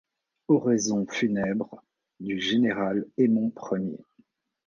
Oraison funèbre du général Aimon Ier.